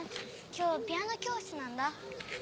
今日ピアノ教室なんだ。